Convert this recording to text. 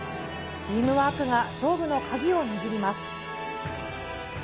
チームワークが勝負の鍵を握ります。